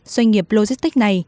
doanh nghiệp logistics này